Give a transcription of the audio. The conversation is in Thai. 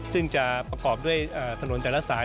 ซึ่งจะประกอบด้วยถนนแต่ละสาย